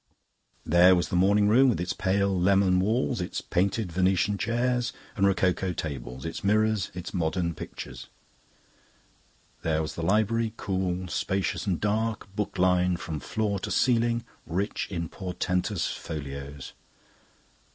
There was the morning room, with its pale lemon walls, its painted Venetian chairs and rococo tables, its mirrors, its modern pictures. There was the library, cool, spacious, and dark, book lined from floor to ceiling, rich in portentous folios.